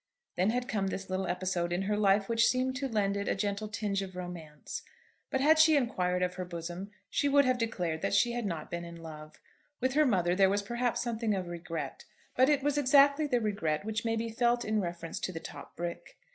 Then had come this little episode in her life which seemed to lend it a gentle tinge of romance. But had she inquired of her bosom she would have declared that she had not been in love. With her mother there was perhaps something of regret. But it was exactly the regret which may be felt in reference to the top brick.